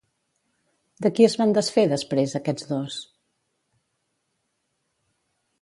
De qui es van desfer, després, aquests dos?